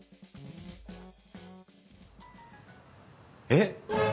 えっ。